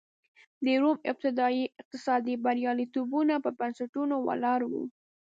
د روم ابتدايي اقتصادي بریالیتوبونه پر بنسټونو ولاړ و